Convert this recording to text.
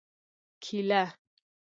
🍌کېله